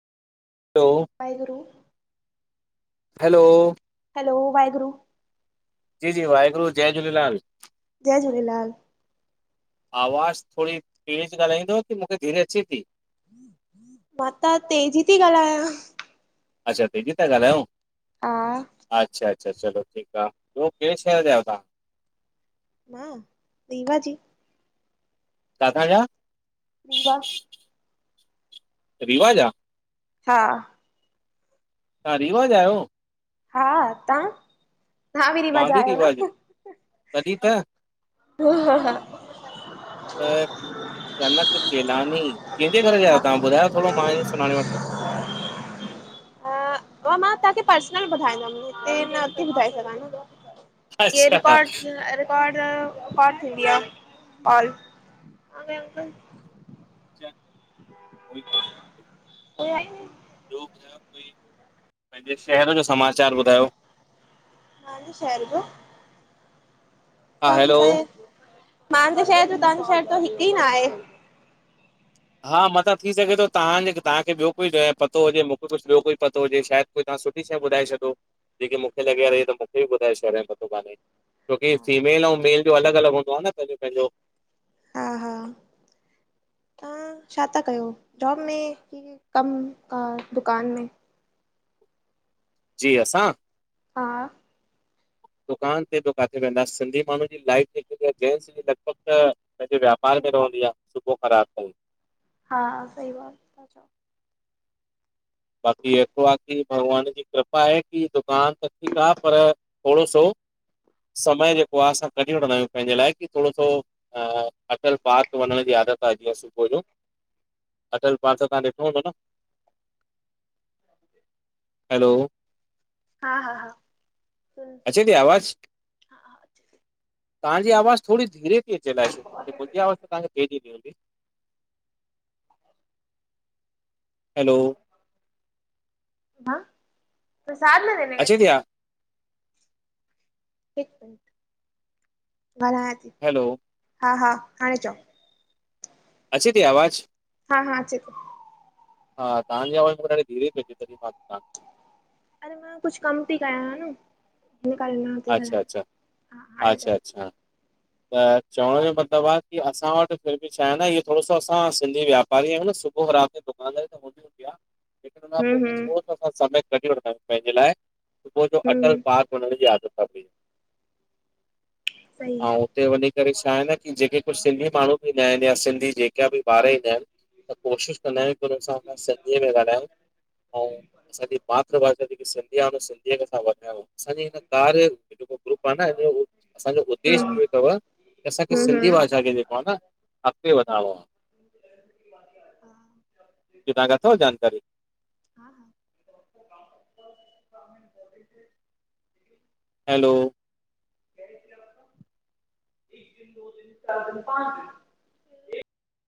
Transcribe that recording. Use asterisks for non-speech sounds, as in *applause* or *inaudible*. हलो Waheguru hello hello Waheguru ji जी वाहेगुरु जय झूलेलाल जय झूलेलाल आवाज़ थोड़ी तेज ॻाल्हाईंदव की मूंखे धीरे अचे ती। मां त तेज़ ती ॻाल्हायां। अच्छा दीदी ता ॻाल्हायो हा अच्छा। अच्छा चलो ठीक आ ॿियो कैड़े शहर जा आहियो तव्हां? मां दीॻा जी। काथा जा? रीवा। रीवा जा? हा तां रीवा जा आहियो? हा तव्हां? तव्हां मां जा बि आहियो रीवा जो न? तॾहिं त *unintelligible* त कनक चेलानी कंहिंजे घर जा आहियो तव्हां हा, ॿुधायो थोड़ो मां ईअ सुञाणे वठां? मां तव्हांखे पर्सनल ॿुधाईंदम हिते न नथी ॿुधाए सघां न। ए अच्छा रिकॉर्ड अच्छा, रिकॉर्ड रिकॉर्ड थींदी आ और *inaudible* अ ॿियो ॿुधायो कोई पंहिंजे शहर जो समाचार ॿुधायो? तव्हांजे शहर जो। हा कम हैलो सहे मांजो शहर जो तव्हांजो शहर त हिक ई न आहे। हा मता थी सघे तो तव्हांजे तव्हांखे ॿियो कोई पतो हुजे मूंखे कुछ ॿियो कोई पतो हुजे शायद। कोई तव्हां सुठी शए ॿुधाए छॾो जेके मूंखे लॻे यार ही त मूंखे बि ॿुधाए छॾियो पतो कान्हे। छोकी फीमेल ऐंऊ मेल जो अलॻि अलॻि हूंदो आहे न पंहिंजो पंहिंजो हा हा तव्हां छा था कयो जॉब में की कमु आ दुकान में जी असां हा दुकान ते किथे वेंदासीं सिंधी माण्हुनि जी लाइ जेस लॻभॻि पंहिंजे व्यापार में रहंदी आहे सुबुह ख़राबु तथ हा सही ॻाल्हि ता चओ बाक़ी एत्रो आहे की भॻवान जी कृपा आहे की दुकान त ठीकु आहे पर थोरो सो समय जेको आहे असां कढी वठंदा आहियूं पंहिंजे लाइ कि थोरो सो अटल पारक वञण जी आदत सुबह जो अटल पार तव्हांॾिठोूंदो न हलो हा हा हा अचे। ती आवाज तव्हां जी आवाज थोरी धीरे जे लाइ मूंखे मुंहिंजी आज़ तवांखेे ॾीी हैलो हा तसाध न गए अचे थे थिया हिक मिन ॻलाऐ थी हैलो हा हा हाणे चओ अचे थी आवाज़ हा हा अचे तो हा तव्हांजी आवाज़ माखे ॾाढी धीरे ती अचे तॾहि पइ अरे मां कुझु कम थी कया न हिन करे थी अच्छा ॻाल्हायां अच्छा हा हाणे च अच्छा अच्छा त चवण जो मतिलबु आहे की असां वटि फिर बि छा आहे न इहो थोरो सो असां सिंधी वायापारी आहियूं न सुबुह राति ताल त हूंदी आहे लेकिन उनखां हम्म पोइ हम्म थोरो असां समय कढी वठंदा आहियूं पंहिंजे लाइ सुबुह जो अटल हम्म पार्क वञण जी आदत हा भया सईी ऐं हुते वञी करे छाहे न कि जेके कुझु सिंधी माण्हू बि ईंदा आहिनि या सिंधी जेका बि ॿार ईंदा आहिनि त कोशिशि कंदा आहियूं की हुनसांसां सिंधीअ मेंॻाल्हायूं ऐं असांजी मातृभाषा जेक िं खे वधाय ग्रुप आहे न अांज उदेश बि हम्म इहो अथव की असांखे हम्म सिंधी भाषा हम्म खे जेको आहे न अॻिते वधाइणो आहे हा तं हाखे अथव जानकारी हा हा हैलो द द चार द पच